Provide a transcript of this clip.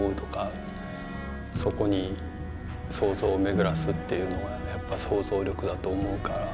そこに想像をめぐらすっていうのはやっぱ想像力だと思うから。